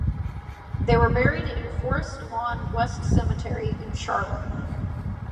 They were buried in Forest Lawn West Cemetery in Charlotte.